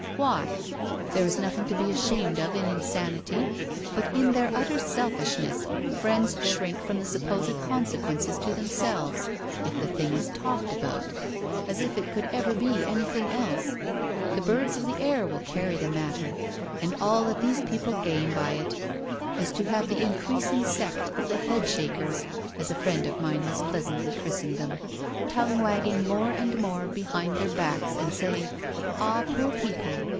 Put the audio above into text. Why? There is nothing to be ashamed of in insanity; but in their utter selfishness friends shrink from the supposed consequences to themselves if the thing is 'talked about.' As if it could ever be anything else! The birds of the air will carry the matter; and all that these people gain by it is to have the increasing sect of the 'Head shakers,' as a friend of mine has pleasantly christened them, tongue wagging more and more behind their backs, and saying, 'Ah, poor people!